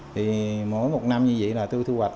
thì mỗi một năm như vậy là tôi thu hoạch